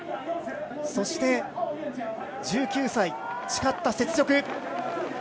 そして１９歳、誓った雪辱。